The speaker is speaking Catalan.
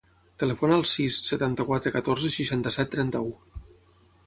Telefona al sis, setanta-quatre, catorze, seixanta-set, trenta-u.